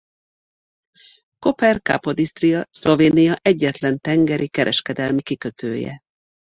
Koper-Capodistria Szlovénia egyetlen tengeri kereskedelmi kikötője.